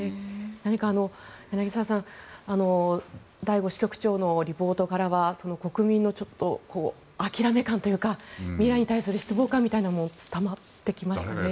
何か柳澤さん醍醐支局長のリポートからは国民の諦め感というか未来に対する失望感みたいなものが伝わってきましたよね。